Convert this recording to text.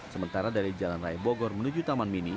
sementara dari jalan raya bogor menuju taman mini